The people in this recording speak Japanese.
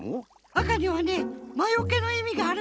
赤にはねまよけのいみがあるんだって。